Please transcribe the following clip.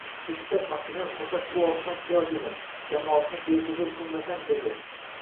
Eshityapman, qizim. Faqat bu oqshom piyoz yedim, jamoatni bexuzur qilmasam dedi.